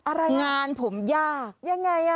อะไรนะยังไงงานผมยาก